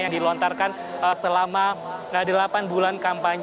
yang dilontarkan selama delapan bulan kampanye